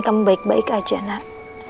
kem baik baik aja nak